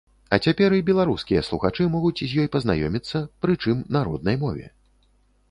А цяпер і беларускія слухачы могуць з ёй пазнаёміцца, прычым на роднай мове.